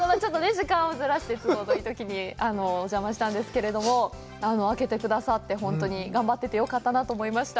時間をずらして都合のいいときにお邪魔したんですけど、あけてくださって、本当に頑張っててよかったなと思いました。